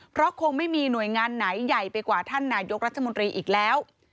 เพราะคงไม่มีหน่วยงานไหนใหญ่ไปกว่าท่านนายกรัฐมนตรีอีกแล้ว